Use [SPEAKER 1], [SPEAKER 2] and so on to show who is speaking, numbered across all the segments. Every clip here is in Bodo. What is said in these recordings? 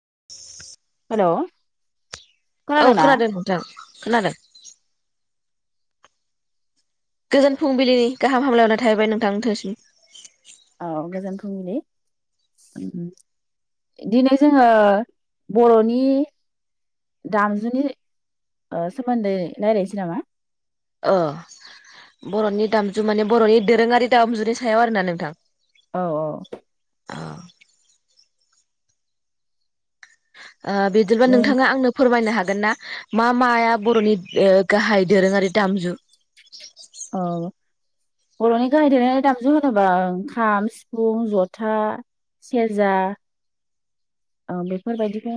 [SPEAKER 1] [inaudible]
[SPEAKER 2] हेल'
[SPEAKER 1] औ खोनादों नोंथां खोनादों गोजोन फुंबिलिनि गाहाम हामलायहरनाय थाहैबाय नोंथां नोंथांसिम
[SPEAKER 2] औ गोजोन दिनै जोङो बर'नि दामजुनि ओ सोमोन्दै रायलायनोसै नामा
[SPEAKER 1] ओ बर'नि दामजु माने बर'नि दोरोङारि दामजुनि सायाव आरोना नोंथां
[SPEAKER 2] औ औ
[SPEAKER 1] अ [inaudible] ओ बिदिब्ला
[SPEAKER 2] ओम
[SPEAKER 1] नोंथाङा आंनो फोरमायनो हागोन। गोन ना मा माया बर'नि ओ गाहाय दोरोङारि दामजु?
[SPEAKER 2] औ। बर'नि गाहाय दोरोङारि दामजु होनोबा ओं खाम सिफुं ज'था सेरजा। ओ बेफोरबायदिखौ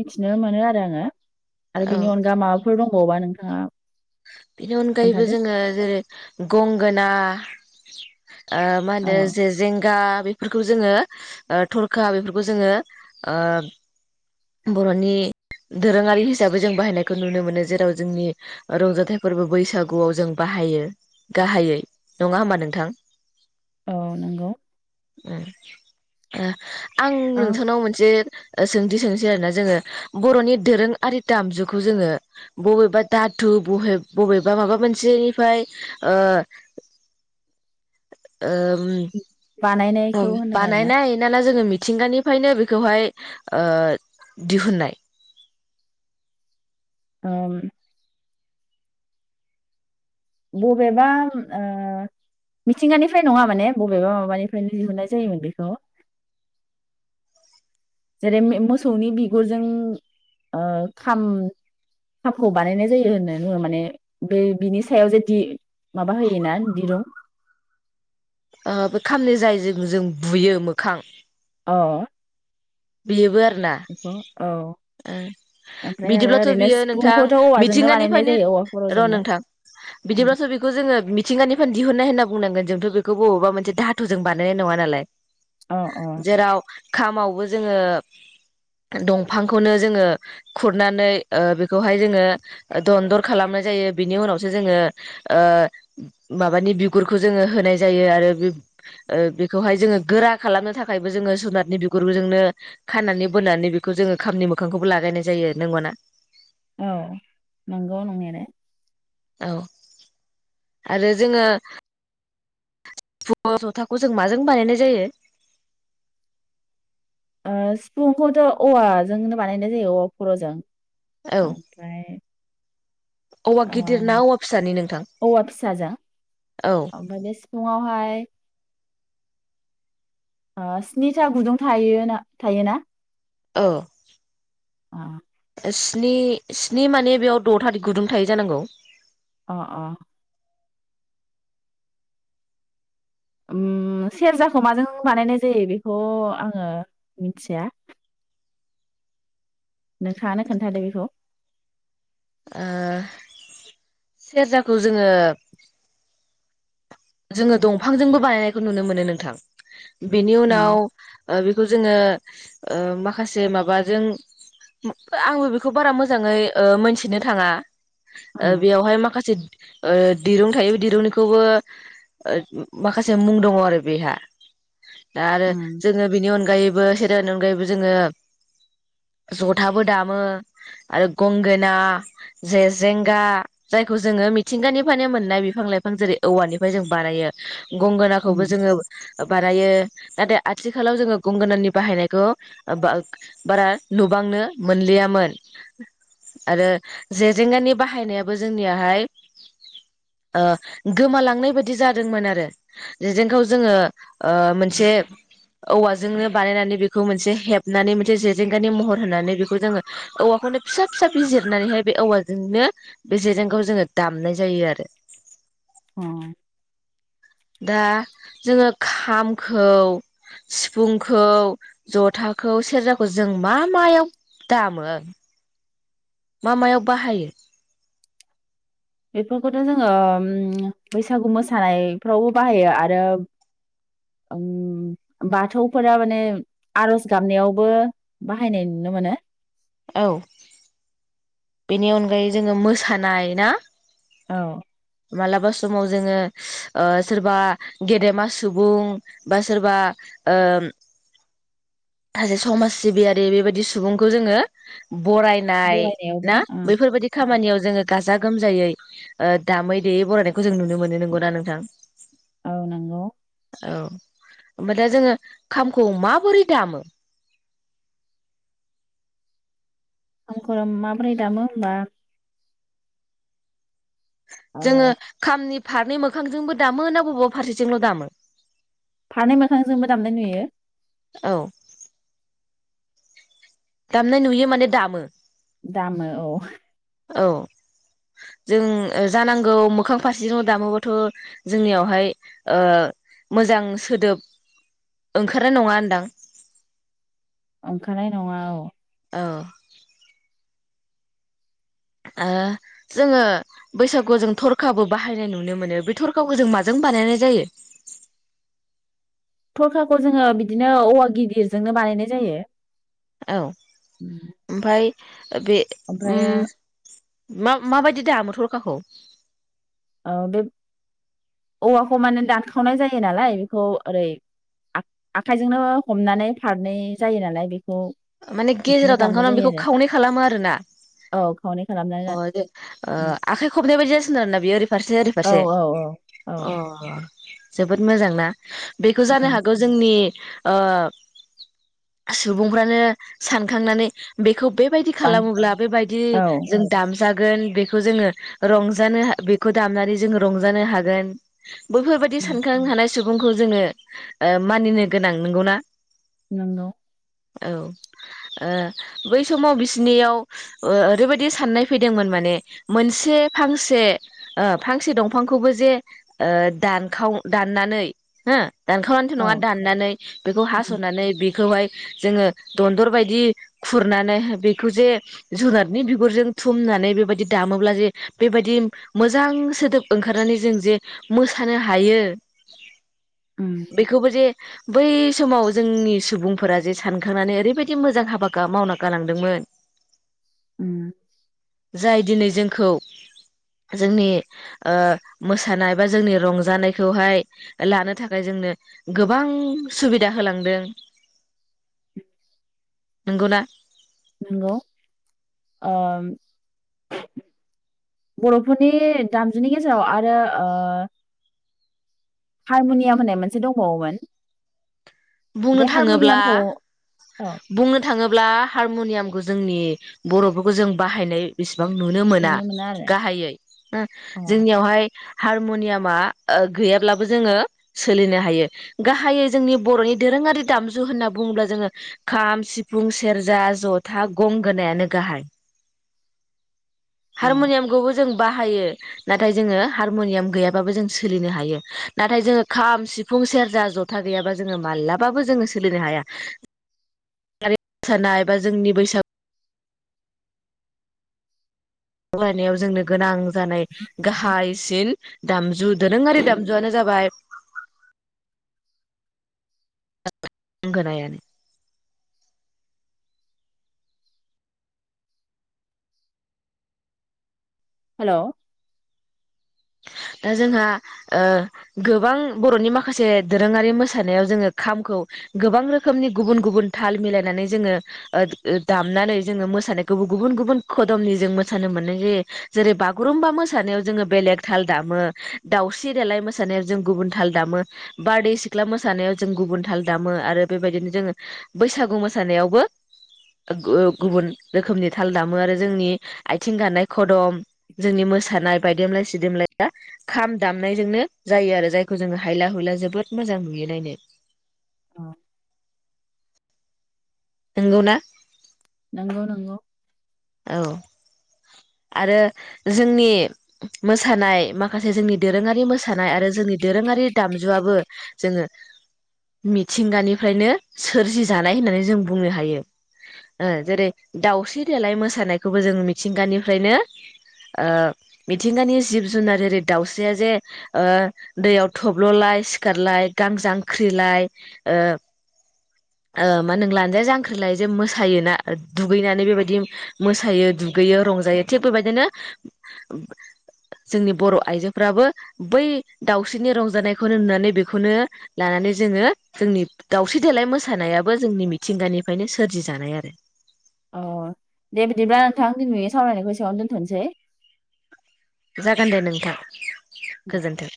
[SPEAKER 2] मिथिनो मोनो आरो आङो आरो
[SPEAKER 1] औ
[SPEAKER 2] बेनि अनगा माबाफोर दंबावोबा नोंथाङा?
[SPEAKER 1] बेनि अनगायैबो
[SPEAKER 2] खोन्थादो
[SPEAKER 1] जोङो जेरै गंगोना। ओ मा
[SPEAKER 2] औ
[SPEAKER 1] होनदो जेे-जेंगा बे बेफोरखौ जोङो ओ थरखा बेफोरखौ जोङो ओ बर'नि दोरोङारि हिसाबै जों बाहायनायखौ नुनो मोनो जेराव जोंनि रंजाथाइ फोरबो बैसागुआव जों बाहायो गाहायै नङा होमबा नोंथां?
[SPEAKER 2] औ नोंगौ।
[SPEAKER 1] उम ओ आं नोंथांनाव मोनसे सोंथि सोंसै आरोना जोङो बर'नि दोरोंआरि दामजुखौ जोङो बबेबा दाथु बहे बबेबा माबा मोनसेनिफ्राय ओ ओम औ
[SPEAKER 2] बानायनायखौ होनदों आरो ना
[SPEAKER 1] बानायनाय नाना जोङो मि थिंगानिफ्रायनो बेखौहाय ओ दिहुननाय।
[SPEAKER 2] ओम बबेबा ओ मिथिंगानिफ्राय नङा माने बबेबा माबानिफ्रायनो दिहुननाय जायोमोन बेखौ जेरै मोसौनि बिगुरजों ओ खाम खामखौ बानायनाय जायो होनना बुङो माने बे बिनि सायाव जेदि माबा होयोना दिरुं
[SPEAKER 1] बे खामनि जाय ज जों बुयो मोखां।
[SPEAKER 2] अ।
[SPEAKER 1] बेबो आरो ना
[SPEAKER 2] बेखौ औ
[SPEAKER 1] ओ
[SPEAKER 2] ओमफ्राय आरो
[SPEAKER 1] बिदिब्लाथ'
[SPEAKER 2] ओरैनो
[SPEAKER 1] बियो नोंथां
[SPEAKER 2] सिफुंखौथ' औवाजोंनो बानायनाय
[SPEAKER 1] मिथिंगानिफ्रायनो
[SPEAKER 2] जायो औवा
[SPEAKER 1] र'
[SPEAKER 2] खर'जोंनो
[SPEAKER 1] नोंथां बिदिब्लाथ' बेखौ जोङो मिथिंगानिफ्रायनो दिहुननाय होनना बुंनांगोन जोंथ' बेखौ बबावबा मोनसे धातुजों बानायनाय नङा नालाय।
[SPEAKER 2] अ अ
[SPEAKER 1] जेराव खामावबो जोङो दंफां खौनो जोङो खुरनानै ओ बेखौहाय जोङो दनदर खालामनाय जायो बिनि उनावसो जोङो ओ माबानि बिगुरखौ जोङो होनाय जायो आरो बे ओ बेखौहाय गोरा खालामनो थाखायबो जोङो जुनारनि बिगुरबो जोङो। नो खानानै बोनानै बेखौ जोङो खामनि मोखांखौबो लागायनाय जायो नोंगौना?
[SPEAKER 2] औ नोंगौ नंनायालाय।
[SPEAKER 1] औ आरो जोङो [unintelligible] जथाखौ जों माजों बानायनाय जायो?
[SPEAKER 2] ओ सिफुंखौथ' औवाजोंनो बानायनाय जायो औवा खर'जों
[SPEAKER 1] औ
[SPEAKER 2] आमफ्राय
[SPEAKER 1] औवा गिदिर ना औवा फिसानि नोंथां
[SPEAKER 2] औवा
[SPEAKER 1] औ
[SPEAKER 2] नङा हाय। आ स्निथा गुदुं थायो ना थायो ना?
[SPEAKER 1] औ
[SPEAKER 2] आ
[SPEAKER 1] स्नि स्नि माने बेयाव द' थारिख गुदुं थायो जानांगौ
[SPEAKER 2] अ अ ओम सेरजाखौ माजों बानायनाय जायो बेखौ आङो मिथिया नोंथाङानो खोन्थादो बेखौ।
[SPEAKER 1] ओ सेरजाखौ जोङो जोङो दंफांजोंबो बानायनायखौ नुनो मोनो नोंथां बेनि
[SPEAKER 2] औ
[SPEAKER 1] उनाव
[SPEAKER 2] उम
[SPEAKER 1] ओ बेखौ जोङो ओ माखासे माबाजों आंबो बेखौ बारा मोजाङै ओ मोनथिनो थाङा। ओ‌ बेयावहाय माखासे ओ दिरुं थायो बे दिरुंनिखौबो माखासे मुं दङ आरो बेहा दा आरो
[SPEAKER 2] उम
[SPEAKER 1] जोङो बेनि अनगायै। सेरनि अनगायैबो जोङो जथाबो दामो आरो गंगोना जेेजेंगा जायखौ जोङो मिथिंगानिफ्रायनो मोननाय बिफां लाइफां जेरै औवानिफ्राय जों बानायो। गंगोनाखौबो
[SPEAKER 2] उम
[SPEAKER 1] जोङो बानायो। नाथाय आथिखालाव जोङो गंगोनानि बाहायनायखौ बारा नुबांनो मोनलियामोन आरो जेेजेंगानि बाहायनायाबो जोंनियाहाय ओ। गोमालांनाय बायदि जादोंमोन आरो जेेजेंखौ जोङो ओ मोनसे औवाजोंनो बानायनानै बेखौ मोनसे हेबनानै मोनसे जेजेंगानि महर होनानै बेखौ जोङो औवाखौनो फिसा फिसा बिजिरनानैहाय बे औवाजोंनो बे जेजोंनो जोङो दामनाय जायो आरो।
[SPEAKER 2] अ
[SPEAKER 1] दा जोङो खामखौ सिफुंखौ जथाखौ सेरजाखौ जों मा मायाव दामो। मा मायाव बाहायो।
[SPEAKER 2] बेफोरखौथ' जोङो उम बैसागु मोसानायफ्रावबो बाहायो आरो उम बाथौफोरा माने आरज गाबनायावबो बाहायनाय नुनो मोनो।
[SPEAKER 1] औ नि अनगायै जोङो मोसानाय ना।
[SPEAKER 2] औ
[SPEAKER 1] माला स समाव जोङो ओ सोरबा गेदेमा सुबुं बा सोरबा ओ सासे समाज सिबियारि बेबायदि सुबुंखौ जोङो बरायनाय
[SPEAKER 2] बरायनायावबो
[SPEAKER 1] ना
[SPEAKER 2] ओं
[SPEAKER 1] बैफोरबायदि खामानियाव जोङो गाजा गोमजायै ओ दामै देयै बरायनायखौ जों नुनो मोननो नोंगौना नोंथां?
[SPEAKER 2] औ नंगौ।
[SPEAKER 1] औ ओमफ्राय दा जोङो खामखौ माबोरै दामो?
[SPEAKER 2] खामखौ माबोरै दामो होनबा ओ
[SPEAKER 1] जोङो खामनि फारनै मोखांजोंबो दामो ना बबावबा फारसेजोंल' दामो
[SPEAKER 2] फारनै मोखांजोंबो दामनाय नुयो
[SPEAKER 1] औ दामनाय नुयो माने दामो
[SPEAKER 2] दामो औ।
[SPEAKER 1] औ जों जानांगौ मोखां फारसेजों दामोबाथ' जोंनियावहाय ओ‌ मोजां सोदोब ओंखारनाय नङानदां
[SPEAKER 2] ओंखारनाय नङा औ
[SPEAKER 1] औ ओ जोङो बैसागुआव जों थरखाबो बाहायनाय नुनो मोनो बे थरखाखौ जों माजों बानायनाय जायो
[SPEAKER 2] थरखाखौ जोङो बिदिनो औवा गिदिरजोंनो बानायनाय जायो।
[SPEAKER 1] औ ओमफाय [inaudible] बे
[SPEAKER 2] ओमफ्रायो
[SPEAKER 1] उम मा माबायदि दामो थरखाखौ
[SPEAKER 2] बे औवाखौ माने दानखावनाय जायो नालाय बेखौ ओरै आ-आखाइजोंनो हमनानै फारनै जायो नालाय बेखौ।
[SPEAKER 1] माने
[SPEAKER 2] बिदिनो
[SPEAKER 1] गेजेराव
[SPEAKER 2] दामनाय
[SPEAKER 1] दानखावनानै
[SPEAKER 2] जायो
[SPEAKER 1] बेखौ
[SPEAKER 2] आरो
[SPEAKER 1] खावनै खालामो आरोना
[SPEAKER 2] औ खावनै
[SPEAKER 1] अ
[SPEAKER 2] खालामनानै
[SPEAKER 1] दे ओ आखाइ खबनाय बायदि जासिगोन आरोना बेयो ओरै फारसे ओरै
[SPEAKER 2] औ
[SPEAKER 1] फारसे
[SPEAKER 2] औ औ
[SPEAKER 1] अ जोबोद मोजां ना बेखौ जानो
[SPEAKER 2] औ
[SPEAKER 1] हागौ जोंनि ओ सुबुंफ्रानो सानखांनानै बेखौ बेबायदि
[SPEAKER 2] बां
[SPEAKER 1] खालामोब्ला बेबायदि
[SPEAKER 2] औ
[SPEAKER 1] जों दाम जागोन बेखौ जोङो रंजानो बेखौ दामनानै जोङो रंजानो हागोन बैफोरबायदि सानखांनो हानाय सुबुंखौ जोङो ओ मानिनो गोनां नंगौना
[SPEAKER 2] नंगौ।
[SPEAKER 1] औ ओ बै समाव बिसिनियाव ओ ओरैबायदि साननाय फैदोंमोन माने मोनसे फांसे ओ फांसे दंफांखौबो जे ओ दानखाव दाननानै हो दानखावनानैथ'
[SPEAKER 2] औ
[SPEAKER 1] नङा दाननानै बेखौ हास'नानै खौहाय जोङो दनदर बायदि खुरनानै बेखौ जे जुनारनि बिगुरजों थुमनानै बेबायदि दामोब्ला जे बेबायदि मोजां सोदोब ओंखारनानै जों जे मोसानो हायो
[SPEAKER 2] उम
[SPEAKER 1] बेखौबो जे बै समाव जोंनि सुबुंफोरा जे सानखांनानै ओरैबायदि मोजां हाबा‌ गा मावना गालांदोंमोन
[SPEAKER 2] उम
[SPEAKER 1] जाय दिनै जोंखौ जोंनि ओ मोसानाय बा जोंनि रंजानायखौहाय लानो थाखाय जोंनो गोबां सुबिदा होलांदों नोंगौना
[SPEAKER 2] नंगौ ओ बर'फोरनि दामजुनि गेजेराव आरो ओ हारमुनियाम होननाय मोनसे दंबावोमोन
[SPEAKER 1] बुंनो
[SPEAKER 2] बे
[SPEAKER 1] थाङोब्ला
[SPEAKER 2] हारमनियामखौ औ
[SPEAKER 1] बुंनो थाङोब्ला हारमनियामखौ जोंनि बर'फोरखौ जों बाहायनाय बि बिबां नुनो मोना गाहायै न
[SPEAKER 2] अ
[SPEAKER 1] जोंनियावहाय हारमुनियामा ओ गैयाब्लाबो जोङो सोलिनो हायो गाहायै जोंनि बर'नि दोरोङारि दामजु होनना बुङोब्ला जोङो खाम सिफुं सेरजा जथा गंगोनायानो गाहाय
[SPEAKER 2] अ
[SPEAKER 1] हारमुनियामखौबो जों बाहायो नाथाय जोङो हारमुनियाम गैयाबाबो जों सोलिनो हायो नाथाय जोङो खाम सिफुं सेरजा जथा गैयाबा जोङो मालाब बाबो जोङो सोलिनो हाया मोसानाय एबा जोंनि बैसागु खामानियाव जोंनो गोनां जानाय गाहायसिन दामजु दोरोंआरि दामजुआनो जाबाय [unintelligible] गंगोनायानो
[SPEAKER 2] हेलौ
[SPEAKER 1] दा जोंहा ओ गोबां बर'नि माखासे दोरोङारि मोसानायाव जोङो खामखौ गोबां रोखोमनि गुबुन गुबुन थाल मिलायनानै जोङो ओ ओ दामनानै जोङो मोसानायखौ गुबुन गुबुन खदमनि जों मोसानो मोननाय जायो जेरै बागुरुम्बा मोसानायाव जोङो बेलेग थाल दामो दाावस्रि देलाय मोसानायाव जों गुबुन थाल दामो बारदै सिख्ला मोसानायाव जों गुबुन थाल दामो आरो बेबायदिनो जोङो बैसागु मोसानायावबो ओ गुबुन रोखोमनि थाल दामो आरो जोंनि आथिं गानाय खदम जोंनि मोसानाय बायदेमब्लाय सि सिदेमलाया खाम दामनायजोंनो जायो आरो जायखौ जोङो हायला हुइला जोबोद मोजां नुयो नायनो
[SPEAKER 2] अ
[SPEAKER 1] नंगौ ना
[SPEAKER 2] नोंगौ नोंगौ
[SPEAKER 1] औ आरो जोंनि मोसानाय माखासे जोंनि दोरोङारि मोसानाय आरो जोंनि दोरोङारि दामजुआबो जोङो मिथिंगानिफ्रायनो सोरजि जानाय होननानै जों बुंनो हायो‌ ओ जेरै दाउस्रि देलाय मोसानायखौबो जों मिथिंगानिफ्रायनो ओ मिथिंगानि जिब जुनार जेरै दाउस्रिया जे ओ दैयाव थब्ल'लाय सिखारलाय गां जांख्रिलाय ओ ओ मा होन ला लाय जांख्रिलाय जों मोसायो ना दुगैनानै बेबायदि मोसायो दुगैयो रंजायो थिग बेबायदिनो जोंनि बर' आइजोफ्राबो बै दाउस्रिनि रंजानायखौनो नुनानै बेखौनो लानानै जोङो जोंनि दावस्रि देलाय मोसानायाबो जोंनि थिंगानिफायनो सोरजि जानाय आरो
[SPEAKER 2] अ दे बिदिब्ला नोंथां दिनै सावरायनायखौ एसेयावनो दोनथ'नसै।
[SPEAKER 1] जागोन दे नोंथां गोजोन्थों